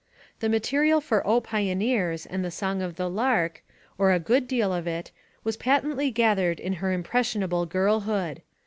The material for O Pioneers! and The Song of the Lark, or a good deal of it, was patently gathered in her impressionable girlhood.